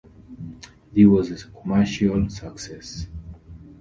This was a commercial success.